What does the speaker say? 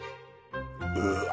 うわ